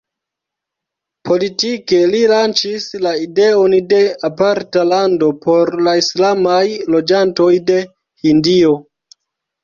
Politike li lanĉis la ideon de aparta lando por la islamaj loĝantoj de Hindio.